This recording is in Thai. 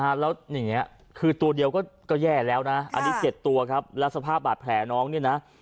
แล้วอย่างเงี้ยคือตัวเดียวก็แย่แล้วนะอันนี้เจ็ดตัวครับแล้วสภาพบาดแผลน้องเนี่ยนะ